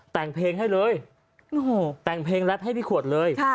แต่งเพลงให้เลยแต่งเพลงแรปให้พี่ขวดเลย